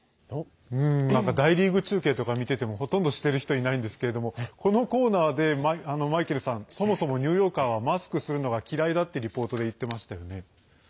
大リーグ中継とか見ていてもほとんど、している人いないんですけれどもこのコーナーで、マイケルさんそもそもニューヨーカーはマスクするのが嫌いだってリポートで言ってましたよね。